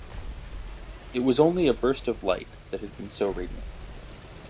It was only a burst of light that had been so radiant.